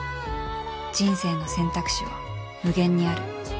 人生の選択肢は無限にある